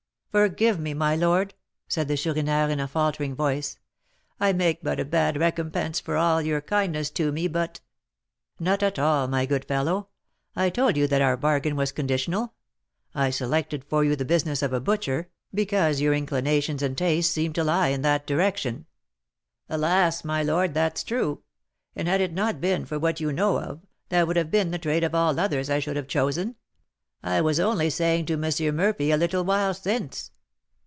"Forgive me, my lord," said the Chourineur, in a faltering voice; "I make but a bad recompense for all your kindness to me, but " "Not at all, my good fellow; I told you that our bargain was conditional. I selected for you the business of a butcher, because your inclinations and taste seemed to lie in that direction " "Alas! my lord, that's true; and, had it not been for what you know of, that would have been the trade of all others I should have chosen. I was only saying so to M. Murphy a little while since."